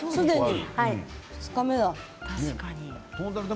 ２日目だ。